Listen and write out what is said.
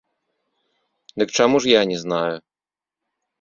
Дык чаму ж я не знаю?